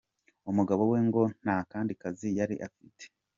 Umugabo we ngo nta kandi kazi yari afite.